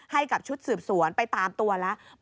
ให้กับชุดสืบสวนไปตามตัวแล้ว